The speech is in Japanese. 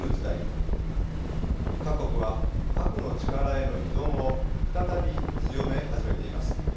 各国は核の力への依存を再び強め始めています。